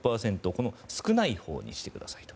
この少ないほうにしてくださいと。